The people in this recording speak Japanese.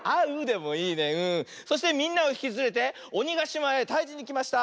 そしてみんなをひきつれておにがしまへたいじにきました！